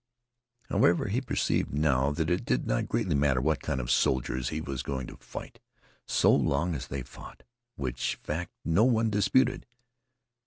However, he perceived now that it did not greatly matter what kind of soldiers he was going to fight, so long as they fought, which fact no one disputed.